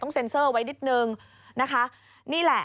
ต้องเซ็นเซอร์ไว้นิดนึงนะคะ